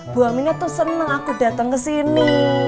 bu aminah tuh seneng aku dateng kesini